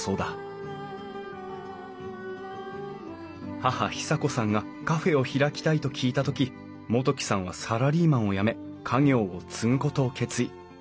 義母啓紗子さんがカフェを開きたいと聞いた時元規さんはサラリーマンを辞め家業を継ぐことを決意。